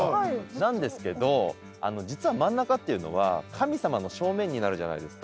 なんですけど実は真ん中っていうのは神様の正面になるじゃないですか。